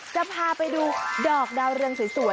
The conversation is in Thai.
จะพาไปดูดอกดาวเรืองสวย